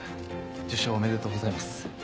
受賞おめでとうございます。